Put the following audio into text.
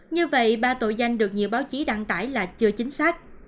như vậy ba tội danh được nhiều báo chí đăng tải là chưa chính xác